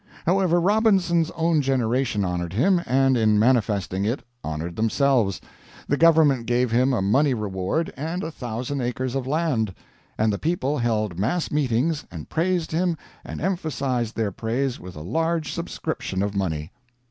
However, Robertson's own generation honored him, and in manifesting it honored themselves. The Government gave him a money reward and a thousand acres of land; and the people held mass meetings and praised him and emphasized their praise with a large subscription of money.